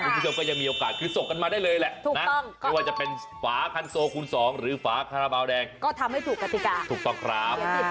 ผู้ชมก็ยังมีโอกาสส่งถึงคือการส่งทำให้ถูกกัติกา